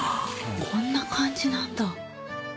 こんな感じなんだ。